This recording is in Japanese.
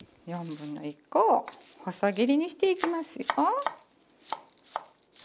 ４分の１個を細切りにしていきますよ。